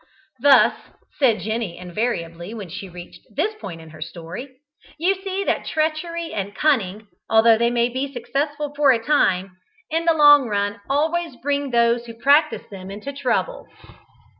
Thus (said Jenny invariably, when she reached this point in her story) you see that treachery and cunning, although they may be successful for a time, in the long run always bring those who practise them into trouble.